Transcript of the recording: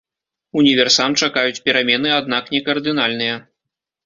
Універсам чакаюць перамены, аднак не кардынальныя.